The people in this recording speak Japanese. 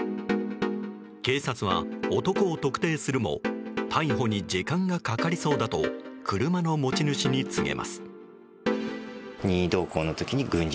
警察は男を特定するも逮捕に時間がかかりそうだと車の持ち主に告げます。